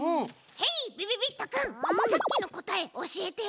へいびびびっとくんさっきのこたえおしえて。